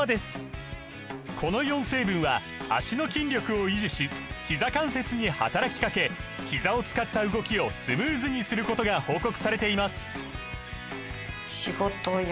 この４成分は脚の筋力を維持しひざ関節に働きかけひざを使った動きをスムーズにすることが報告されています